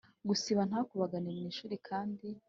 gusiba ntakubagane mu ishuri kandi